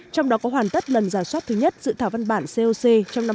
trong đó có hoàn tất lần giả soát thứ nhất dự thảo văn bản coc trong năm hai nghìn hai mươi